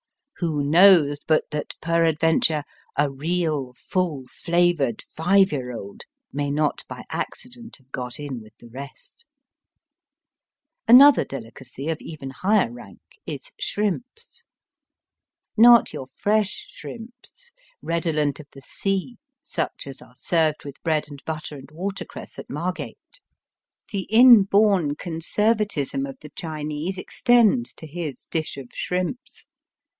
Who knows but that, perad Digitized by VjOOQIC 176 EAST BY WEST. venture, a real full flavoured five year old may not by accident have got in with the rest ? Another delicacy of even higher rank is shrimps. Not your fresh shrimps, redolent of the sea, such as are served with bread and butter and watercress at Margate. The inborn conservatism of the Chinese extends to his dish of shrimps.